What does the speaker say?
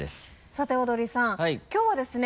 さてオードリーさんきょうはですね。